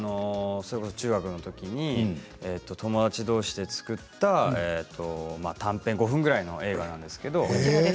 中学のときに友達どうしで作った短編５分ぐらいの映画なんですけれども。